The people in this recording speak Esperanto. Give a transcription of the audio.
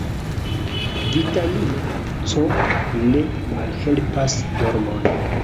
Vitamino C ne malhelpas dormon.